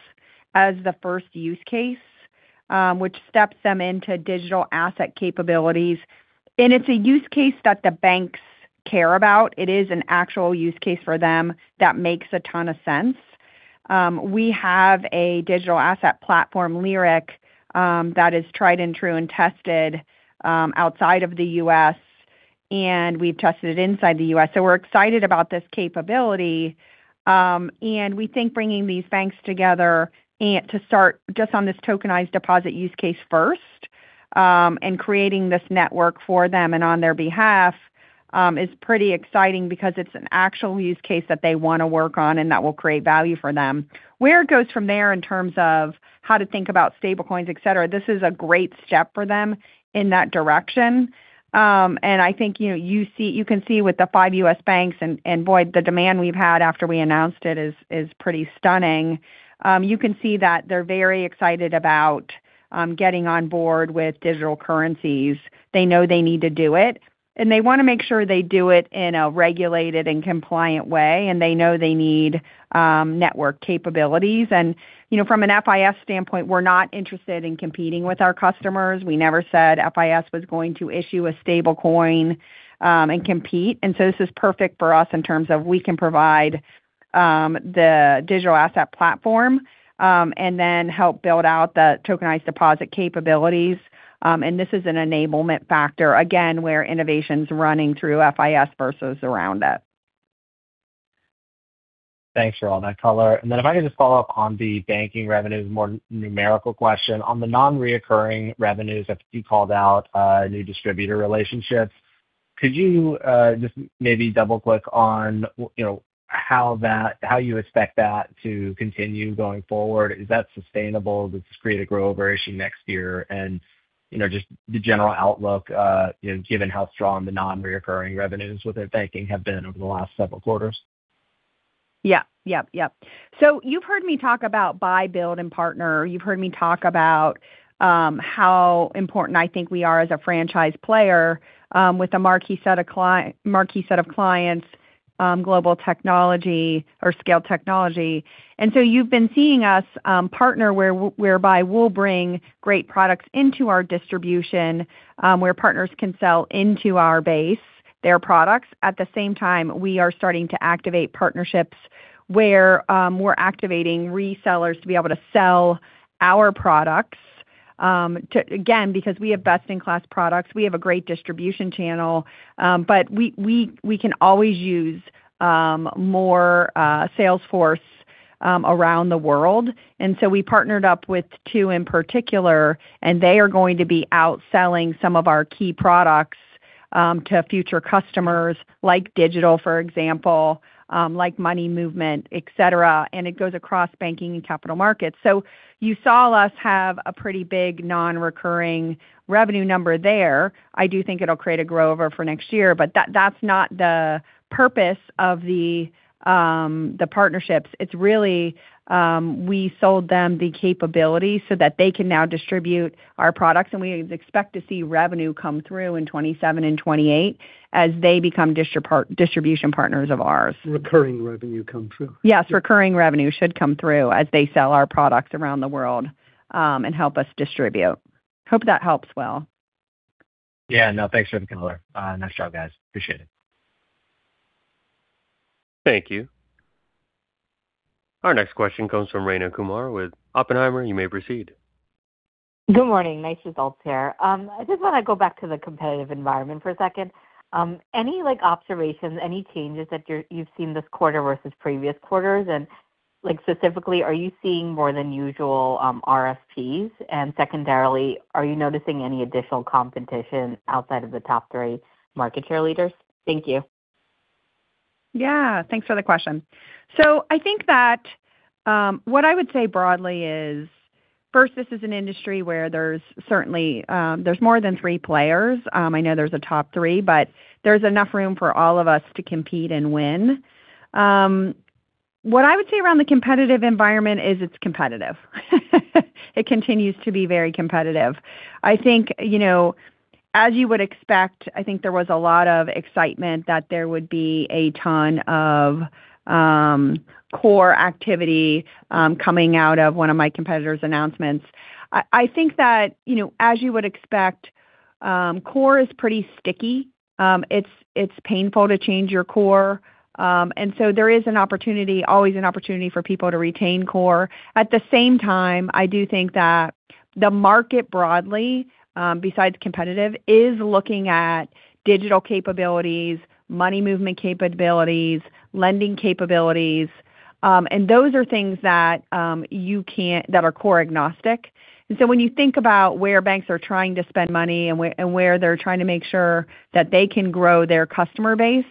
as the first use case, which steps them into digital asset capabilities. It's a use case that the banks care about. It is an actual use case for them that makes a ton of sense. We have a digital asset platform, Lyriq, that is tried and true and tested outside of the U.S., and we've tested it inside the U.S. We're excited about this capability. We think bringing these banks together to start just on this tokenized deposit use case first, and creating this network for them and on their behalf, is pretty exciting because it's an actual use case that they want to work on, and that will create value for them. Where it goes from there in terms of how to think about stablecoins, et cetera, this is a great step for them in that direction. I think, you know, you can see with the five U.S. banks and, boy, the demand we've had after we announced it is pretty stunning. You can see that they're very excited about getting on board with digital currencies. They know they need to do it, they wanna make sure they do it in a regulated and compliant way, they know they need network capabilities. You know, from an FIS standpoint, we're not interested in competing with our customers. We never said FIS was going to issue a stable coin, compete. This is perfect for us in terms of we can provide the digital asset platform, then help build out the tokenized deposit capabilities. This is an enablement factor, again, where innovation's running through FIS versus around it. Thanks for all that color. If I could just follow up on the banking revenues, more numerical question. On the non-reoccurring revenues that you called out, new distributor relationships, could you just maybe double-click on you know, how you expect that to continue going forward? Is that sustainable? Does this create a grow-over issue next year? You know, just the general outlook, you know, given how strong the non-reoccurring revenues within banking have been over the last several quarters. Yeah. Yep. You've heard me talk about buy, build, and partner. You've heard me talk about how important I think we are as a franchise player with a marquee set of clients, global technology or scale technology. You've been seeing us partner whereby we'll bring great products into our distribution where partners can sell into our base their products. At the same time, we are starting to activate partnerships where we're activating resellers to be able to sell our products because we have best-in-class products. We have a great distribution channel, but we can always use more sales force around the world. We partnered up with two in particular, and they are going to be out selling some of our key products, to future customers like digital, for example, like money movement, et cetera, and it goes across Banking and Capital Markets. You saw us have a pretty big non-recurring revenue number there. I do think it'll create a grow-over for next year, but that's not the purpose of the partnerships. It's really, we sold them the capability so that they can now distribute our products, and we expect to see revenue come through in 2027 and 2028 as they become distribution partners of ours. Recurring revenue come through. Yes. Recurring revenue should come through as they sell our products around the world and help us distribute. Hope that helps, Will. Yeah, no, thanks for the color. Nice job, guys. Appreciate it. Thank you. Our next question comes from Rayna Kumar with Oppenheimer. You may proceed. Good morning. Nice results here. I just wanna go back to the competitive environment for a second. Any observations, any changes that you've seen this quarter versus previous quarters? Specifically, are you seeing more than usual RFPs? Secondarily, are you noticing any additional competition outside of the top three market share leaders? Thank you. Yeah. Thanks for the question. I think that, what I would say broadly is, first, this is an industry where there's certainly, there's more than three players. I know there's a top three, but there's enough room for all of us to compete and win. What I would say around the competitive environment is it's competitive. It continues to be very competitive. I think, you know, as you would expect, I think there was a lot of excitement that there would be a ton of core activity coming out of one of my competitors' announcements. I think that, you know, as you would expect, core is pretty sticky. It's painful to change your core. There is an opportunity, always an opportunity for people to retain core. At the same time, I do think that the market broadly, besides competitive, is looking at digital capabilities, money movement capabilities, lending capabilities, and those are things that are core-agnostic. When you think about where banks are trying to spend money and where they're trying to make sure that they can grow their customer base,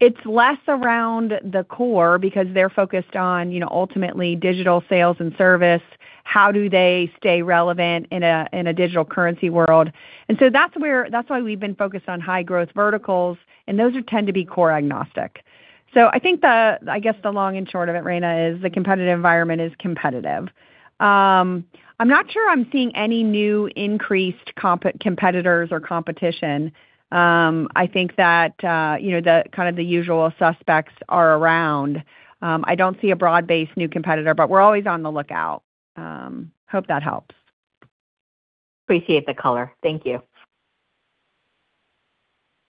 it's less around the core because they're focused on, you know, ultimately digital sales and service. How do they stay relevant in a digital currency world? That's why we've been focused on high-growth verticals, and those are tend to be core-agnostic. I think the, I guess, the long and short of it, Rayna, is the competitive environment is competitive. I'm not sure I'm seeing any new increased competitors or competition. I think that, you know, the kind of the usual suspects are around. I don't see a broad-based new competitor, but we're always on the lookout. Hope that helps. Appreciate the color. Thank you.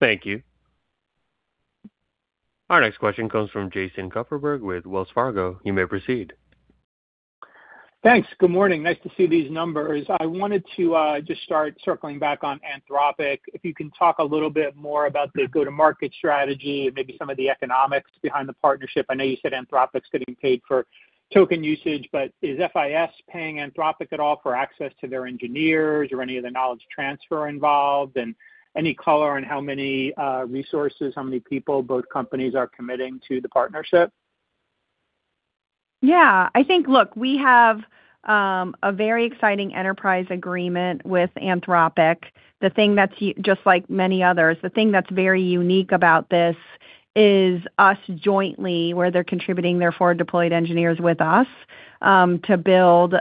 Thank you. Our next question comes from Jason Kupferberg with Wells Fargo. You may proceed. Thanks. Good morning. Nice to see these numbers. I wanted to just start circling back on Anthropic. If you can talk a little bit more about the go-to-market strategy, maybe some of the economics behind the partnership. I know you said Anthropic's getting paid for token usage, but is FIS paying Anthropic at all for access to their engineers or any of the knowledge transfer involved? Any color on how many resources, how many people both companies are committing to the partnership? Yeah. I think look, we have a very exciting enterprise agreement with Anthropic. The thing that's just like many others, the thing that's very unique about this is us jointly, where they're contributing their forward deployed engineers with us to build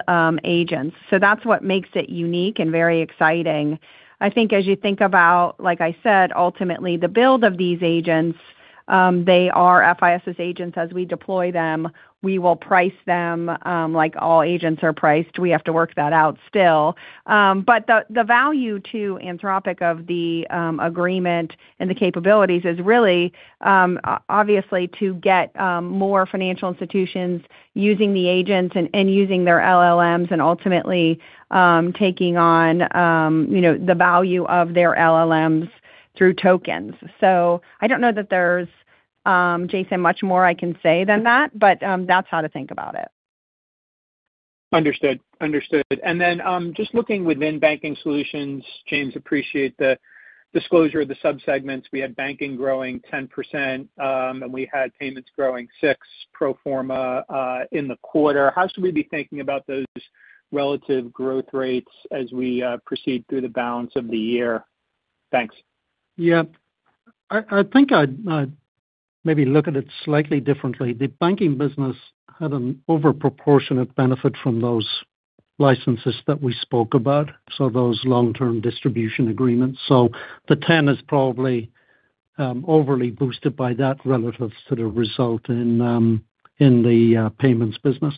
agents. That's what makes it unique and very exciting. I think as you think about, like I said, ultimately the build of these agents, they are FIS' agents. As we deploy them, we will price them like all agents are priced. We have to work that out still. But the value to Anthropic of the agreement and the capabilities is really obviously to get more financial institutions using the agent and using their LLMs and ultimately taking on, you know, the value of their LLMs through tokens. I don't know that there's, Jason, much more I can say than that, but that's how to think about it. Understood. Understood. Just looking within Banking Solutions, James, appreciate the disclosure of the sub-segments. We had banking growing 10%, and we had payments growing 6% pro forma in the quarter. How should we be thinking about those relative growth rates as we proceed through the balance of the year? Thanks. Yeah. I think I'd maybe look at it slightly differently. The banking business had an overproportionate benefit from those licenses that we spoke about, so those long-term distribution agreements. The 10% is probably overly boosted by that relative to the result in the payments business.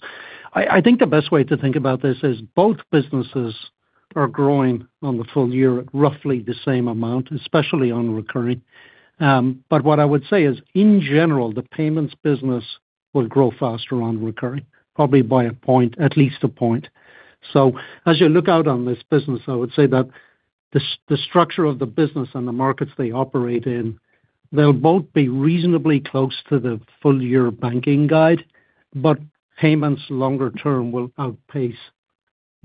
I think the best way to think about this is both businesses are growing on the full year at roughly the same amount, especially on recurring. What I would say is in general, the payments business will grow faster on recurring, probably by a point, at least a point. As you look out on this business, I would say that the structure of the business and the markets they operate in, they'll both be reasonably close to the full year banking guide, but payments longer term will outpace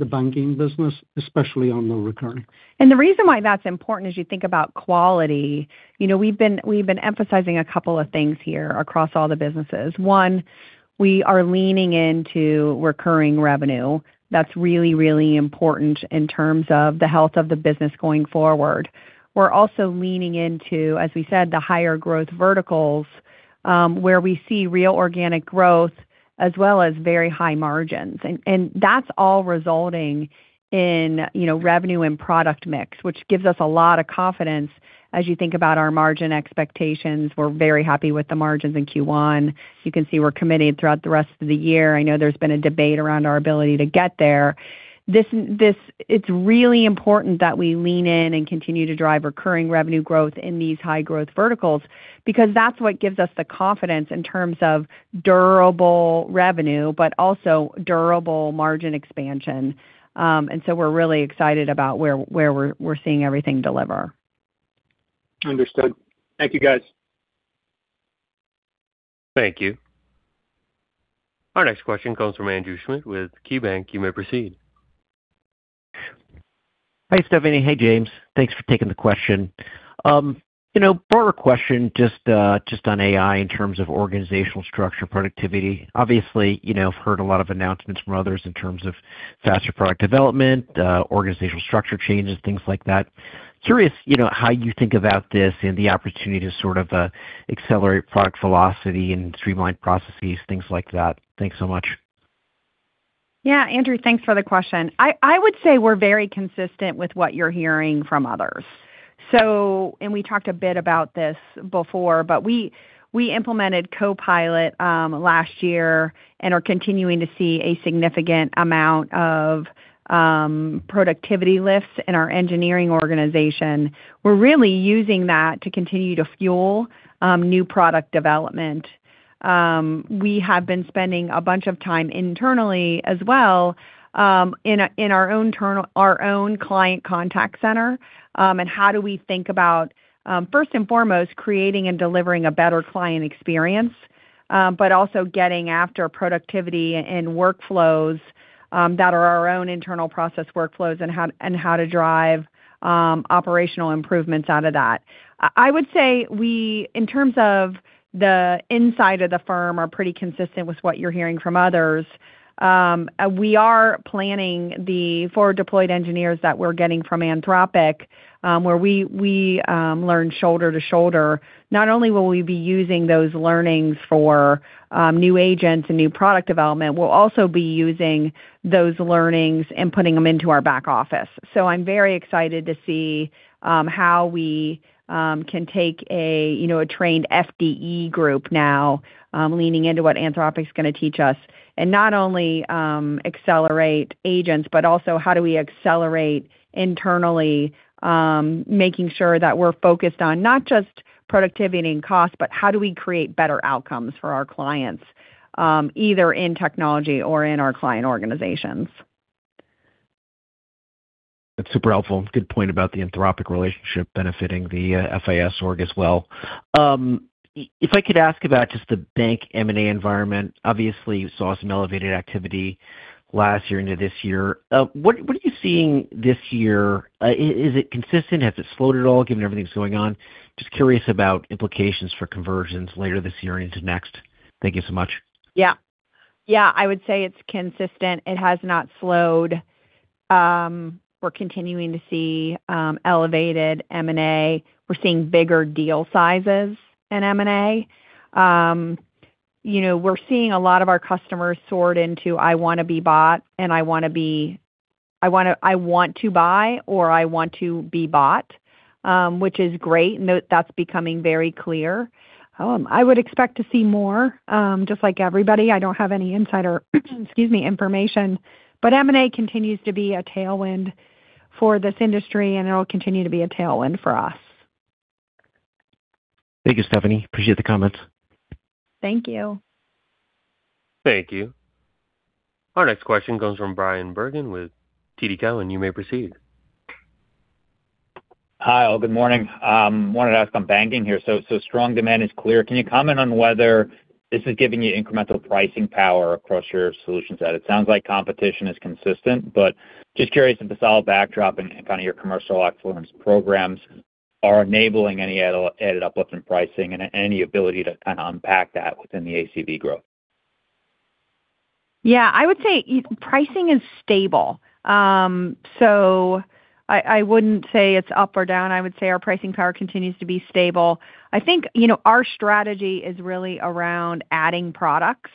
the banking business, especially on the recurring. The reason why that's important as you think about quality, you know, we've been emphasizing a couple of things here across all the businesses. One, we are leaning into recurring revenue. That's really important in terms of the health of the business going forward. We're also leaning into, as we said, the higher growth verticals, where we see real organic growth as well as very high margins. That's all resulting in, you know, revenue and product mix, which gives us a lot of confidence as you think about our margin expectations. We're very happy with the margins in Q1. You can see we're committed throughout the rest of the year. I know there's been a debate around our ability to get there. It's really important that we lean in and continue to drive recurring revenue growth in these high growth verticals because that's what gives us the confidence in terms of durable revenue, but also durable margin expansion. We're really excited about where we're seeing everything deliver. Understood. Thank you, guys. Thank you. Our next question comes from Andrew Schmidt with KeyBanc. You may proceed. Hi, Stephanie. Hey, James. Thanks for taking the question. You know, broader question just on AI in terms of organizational structure, productivity. Obviously, you know, I've heard a lot of announcements from others in terms of faster product development, organizational structure changes, things like that. Curious, you know, how you think about this and the opportunity to sort of accelerate product velocity and streamline processes, things like that. Thanks so much. Andrew, thanks for the question. I would say we're very consistent with what you're hearing from others. We talked a bit about this before, but we implemented Copilot last year and are continuing to see a significant amount of productivity lifts in our engineering organization. We're really using that to continue to fuel new product development. We have been spending a bunch of time internally as well, in our own client contact center, and how do we think about first and foremost, creating and delivering a better client experience, but also getting after productivity and workflows that are our own internal process workflows and how to drive operational improvements out of that. I would say we, in terms of the inside of the firm, are pretty consistent with what you're hearing from others. We are planning the forward deployed engineers that we're getting from Anthropic, where we learn shoulder to shoulder. Not only will we be using those learnings for new agents and new product development, we'll also be using those learnings and putting them into our back office. I'm very excited to see how we can take a, you know, a trained FDE group now, leaning into what Anthropic's gonna teach us. Not only accelerate agents, but also how do we accelerate internally, making sure that we're focused on not just productivity and cost, but how do we create better outcomes for our clients, either in technology or in our client organizations. That's super helpful. Good point about the Anthropic relationship benefiting the FIS org as well. If I could ask about just the bank M&A environment. Obviously, you saw some elevated activity last year into this year. What, what are you seeing this year? Is it consistent? Has it slowed at all given everything that's going on? Just curious about implications for conversions later this year into next. Thank you so much. Yeah. Yeah, I would say it's consistent. It has not slowed. We're continuing to see, elevated M&A. We're seeing bigger deal sizes in M&A. You know, we're seeing a lot of our customers sort into I wanna be bought and I want to buy or I want to be bought, which is great. Now that's becoming very clear. I would expect to see more, just like everybody. I don't have any insider, excuse me, information. M&A continues to be a tailwind for this industry, and it'll continue to be a tailwind for us. Thank you, Stephanie. Appreciate the comments. Thank you. Thank you. Our next question comes from Bryan Bergin with TD Cowen. You may proceed. Hi, all. Good morning. Wanted to ask on banking here. Strong demand is clear. Can you comment on whether this is giving you incremental pricing power across your solutions set? It sounds like competition is consistent, but just curious if the solid backdrop and kinda your commercial excellence programs are enabling any added uplift in pricing and any ability to kinda unpack that within the ACV growth. Yeah. I would say pricing is stable. I wouldn't say it's up or down. I would say our pricing power continues to be stable. I think, you know, our strategy is really around adding products.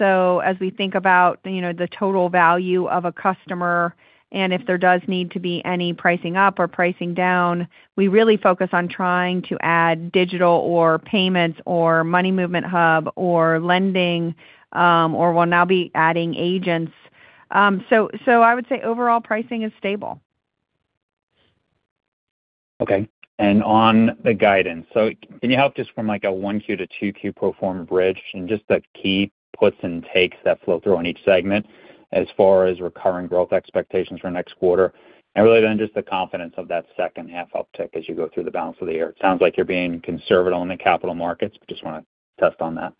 As we think about, you know, the total value of a customer and if there does need to be any pricing up or pricing down, we really focus on trying to add digital or payments or Money Movement Hub or lending, or we'll now be adding agents. I would say overall pricing is stable. Okay. On the guidance. Can you help just from like a 1Q-2Q pro forma bridge and just the key puts and takes that flow through on each segment as far as recurring growth expectations for next quarter? Really then just the confidence of that second half uptick as you go through the balance of the year. It sounds like you're being conservative on the Capital Markets, just wanna test on that.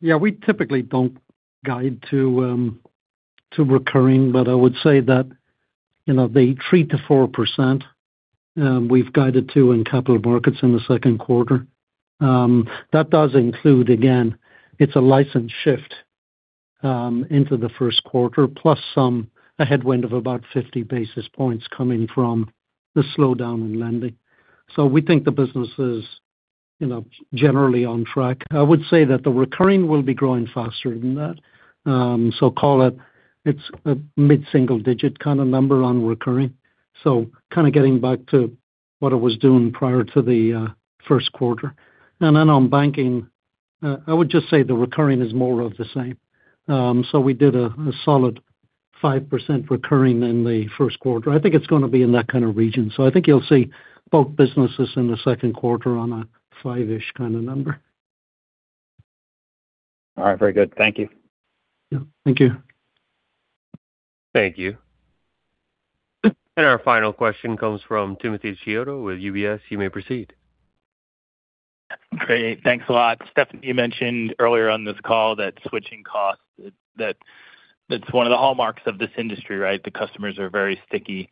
We typically don't guide to recurring, but I would say that, you know, the 3%-4%, we've guided to in Capital Markets in the second quarter. That does include, again, it's a license shift into the first quarter, plus some a headwind of about 50 basis points coming from the slowdown in lending. We think the business is, you know, generally on track. I would say that the recurring will be growing faster than that. Call it it's a mid-single digit kinda number on recurring. Kinda getting back to what it was doing prior to the first quarter. On Banking, I would just say the recurring is more of the same. We did a solid 5% recurring in the first quarter. I think it's going to be in that kind of region. I think you'll see both businesses in the second quarter on a five-ish kind of number. All right. Very good. Thank you. Yeah. Thank you. Thank you. Our final question comes from Timothy Chiodo with UBS. You may proceed. Great. Thanks a lot. Stephanie, you mentioned earlier on this call that switching costs, that that's one of the hallmarks of this industry, right? The customers are very sticky.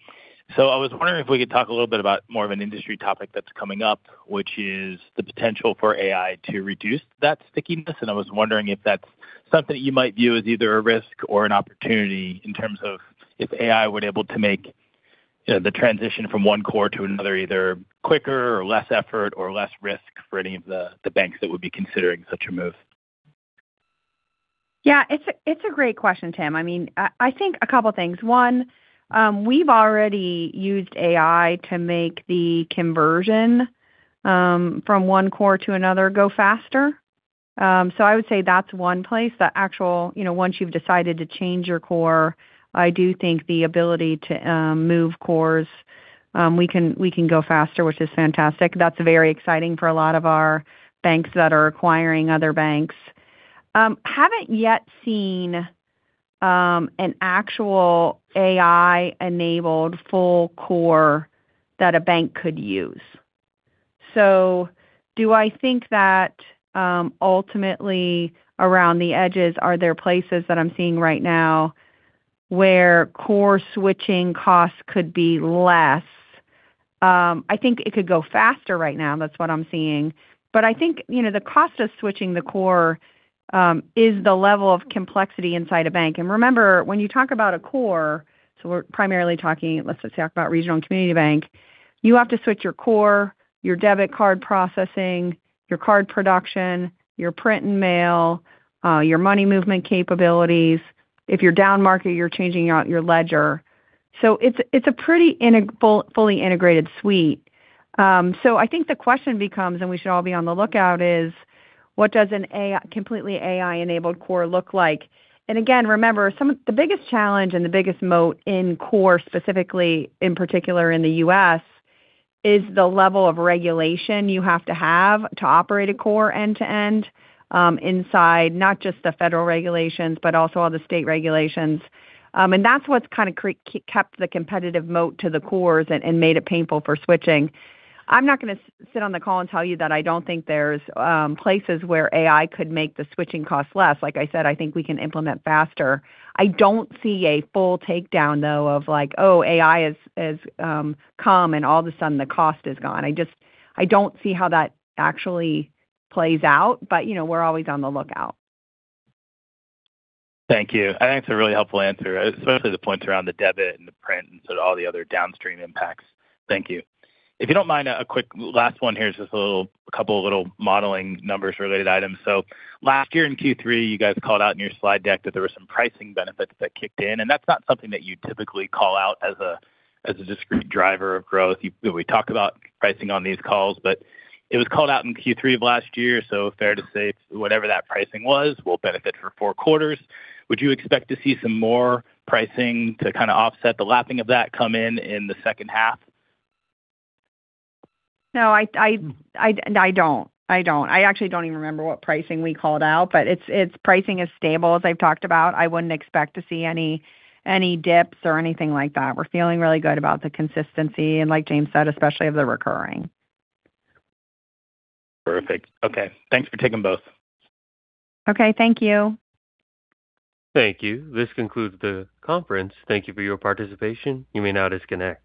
I was wondering if we could talk a little bit about more of an industry topic that's coming up, which is the potential for AI to reduce that stickiness. I was wondering if that's something you might view as either a risk or an opportunity in terms of if AI were able to make, you know, the transition from one core to another, either quicker or less effort or less risk for any of the banks that would be considering such a move. Yeah. It's a, it's a great question, Tim. I mean, I think a couple things. One, we've already used AI to make the conversion from one core to another go faster. I would say that's one place. The actual, you know, once you've decided to change your core, I do think the ability to move cores, we can go faster, which is fantastic. That's very exciting for a lot of our banks that are acquiring other banks. Haven't yet seen an actual AI-enabled full core that a bank could use. Do I think that ultimately around the edges, are there places that I'm seeing right now where core switching costs could be less? I think it could go faster right now, that's what I'm seeing. I think, you know, the cost of switching the core is the level of complexity inside a bank. Remember, when you talk about a core, we're primarily talking, let's just talk about regional and community bank, you have to switch your core, your debit card processing, your card production, your print and mail, your money movement capabilities. If you're down-market, you're changing out your ledger. It's a pretty fully integrated suite. I think the question becomes, and we should all be on the lookout, is what does completely AI-enabled core look like? Again, remember, some of the biggest challenge and the biggest moat in core, specifically in particular in the U.S., is the level of regulation you have to have to operate a core end-to-end, inside, not just the federal regulations, but also all the state regulations. That's what's kinda kept the competitive moat to the cores and made it painful for switching. I'm not gonna sit on the call and tell you that I don't think there's places where AI could make the switching cost less. Like I said, I think we can implement faster. I don't see a full takedown though of like, oh, AI has come and all of a sudden the cost is gone. I don't see how that actually plays out, you know, we're always on the lookout. Thank you. I think it's a really helpful answer, especially the points around the debit and the print and sort of all the other downstream impacts. Thank you. If you don't mind, a quick last one here. A couple of little modeling numbers-related items. Last year in Q3, you guys called out in your slide deck that there were some pricing benefits that kicked in, and that's not something that you typically call out as a discrete driver of growth. We talk about pricing on these calls, but it was called out in Q3 of last year, so fair to say whatever that pricing was will benefit for four quarters. Would you expect to see some more pricing to kind of offset the lapping of that come in in the second half? No, I don't. I actually don't even remember what pricing we called out, it's pricing is stable, as I've talked about. I wouldn't expect to see any dips or anything like that. We're feeling really good about the consistency and like James said, especially of the recurring. Perfect. Okay. Thanks for taking both. Okay. Thank you. Thank you. This concludes the conference. Thank you for your participation. You may now disconnect.